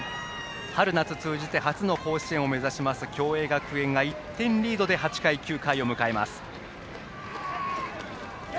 春夏通じて初の甲子園を目指す共栄学園が１点リードで８回、９回を迎えます。